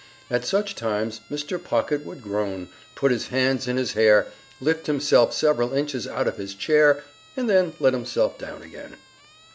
At such times Mr. Pocket would groan, put his hands in his hair, lift himself several inches out of his chair and then let himself down again.